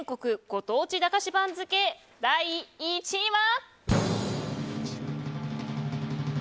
ご当地駄菓子番付第１位は。